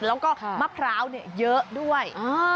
แล้วก็มะพร้าวเยอะด้วย